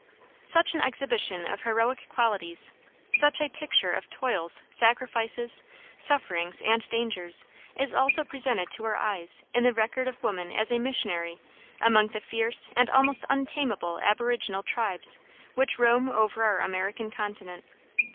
Such an exhibition of heroic qualities, such a picture of toils, sacrifices, sufferings, and dangers, is also presented to our eyes in the record of woman as a missionary among the fierce and almost untamable aboriginal tribes which roam over our American continent.